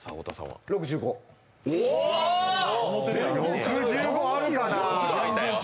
６５あるかな。